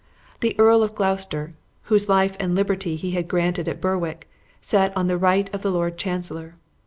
The Earl of Gloucester, whose life and liberty he had granted at Berwick, sat on the right of the lord chancellor.